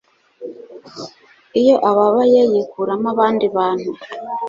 Iyo ababaye yikuramo abandi bantu